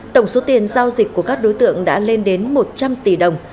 tổng số tiền giao dịch của các đối tượng đã lên đến một trăm linh tỷ đồng